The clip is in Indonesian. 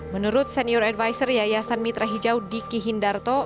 menurut senior advisor yayasan mitra hijau diki hindarto